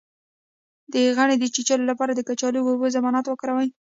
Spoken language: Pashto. د غڼې د چیچلو لپاره د کچالو او اوبو ضماد وکاروئ